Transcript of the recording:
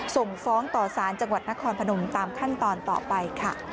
ส่งฟ้องต่อสารจังหวัดนครพนมตามขั้นตอนต่อไปค่ะ